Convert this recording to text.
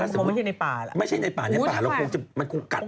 สวนสัตว์อะไรสักอย่างไหม